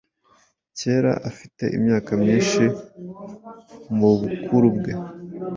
Kera afite imyaka myinshi mubukurubwe